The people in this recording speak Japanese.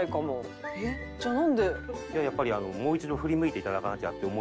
やっぱりもう一度振り向いて頂かなきゃって思い